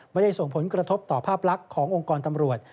ไม่ได้ส่งผลกระทบต่อภาพลักษณ์ขององค์กรตำรวจ